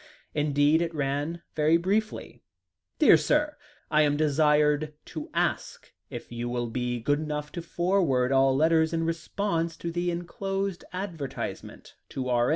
Indeed, it ran very briefly: "DEAR SIR, I am desired to ask if you will be good enough to forward all letters in response to the enclosed advertisement to R.